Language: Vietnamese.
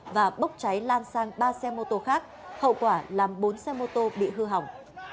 và bốc cháy lan sang ba xe mô tô khác hậu quả làm bốn xe mô tô bị hư hỏng